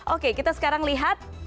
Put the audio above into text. oke kita sekarang lihat